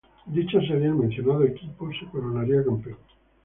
En dicha serie, el mencionado equipo se coronaría campeón.